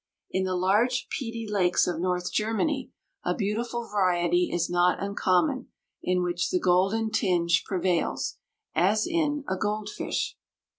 In the large, peaty lakes of North Germany a beautiful variety is not uncommon, in which the golden tinge prevails, as in a gold fish.